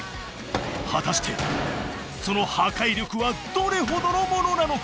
果たしてその破壊力はどれほどのものなのか！？